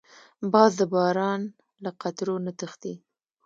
باز د باران له قطرو نه تښتي